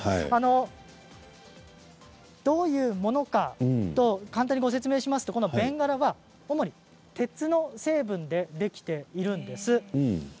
どういうものか簡単にご説明しますとベンガラは、主に鉄の成分でできているんです。